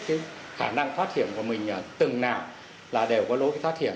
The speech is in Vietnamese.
cái khả năng thoát hiểm của mình từng nào là đều có lối thoát hiểm